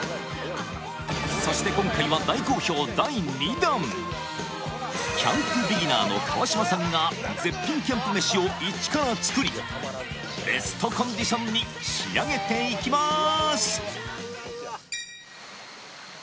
そして今回はキャンプビギナーの川島さんが絶品キャンプ飯を一から作りベストコンディションに仕上げていきます！